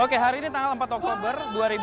oke hari ini tanggal empat oktober dua ribu dua puluh